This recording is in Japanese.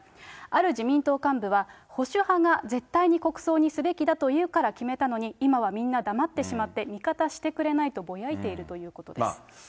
ある自民党幹部は、保守派が絶対に国葬にすべきだというから決めたのに、今はみんな黙ってしまって、味方してくれないとぼやいているということです。